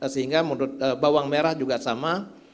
sehingga menurut bawang merah juga sama